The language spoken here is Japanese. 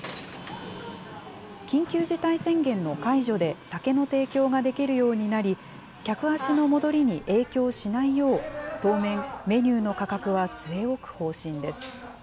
緊急事態宣言の解除で酒の提供ができるようになり、客足の戻りに影響しないよう、当面、メニューの価格は据え置く方針です。